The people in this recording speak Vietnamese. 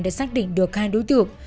đã xác định được hai đối tượng